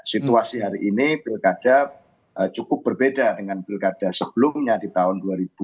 situasi hari ini pilkada cukup berbeda dengan pilkada sebelumnya di tahun dua ribu dua puluh